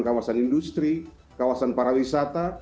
kawasan industri kawasan para wisata